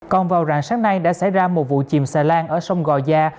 còn vào rạng sáng nay đã xảy ra một vụ chìm xà lan ở sông gò gia